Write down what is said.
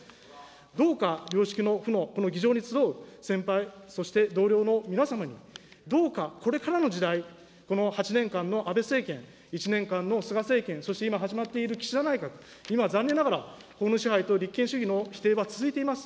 どうか良識の府の、この議場に集う先輩、そして同僚の皆様に、どうか、これからの時代、この８年間の安倍政権、１年間の菅政権、そして今、始まっている岸田内閣、今、残念ながら、法の支配と立憲主義の否定は続いています。